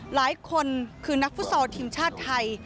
หลายคนคือนักฟุตซอลทีมชาติไทย